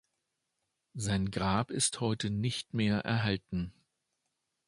Sein Grab ist heute nicht mehr erhalten.